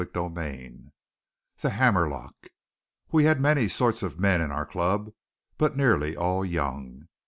CHAPTER II THE HAMMERLOCK We had many sorts of men in our club, but nearly all young.